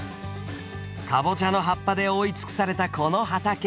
カボチャの葉っぱで覆い尽くされたこの畑。